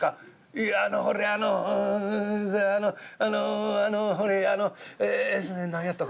「いやあのほれあのあのあのほれあのえ何やったかな？